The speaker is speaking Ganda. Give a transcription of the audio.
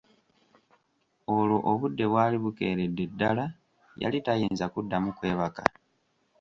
Olwo obudde bwali bukeeredde ddala, yali tayinza kuddamu kwebaka.